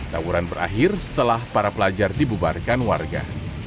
tawuran berakhir setelah para pelajar dibubarkan warga